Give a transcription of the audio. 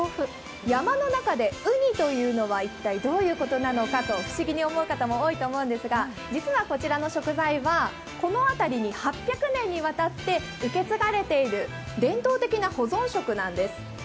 山の中でうにというのは一体どういうことなのかと、不思議に思う方も多いと思うんですが、実はこちらの食材はこの辺りに８００年にわたって受け継がれている伝統的な保存食なんです。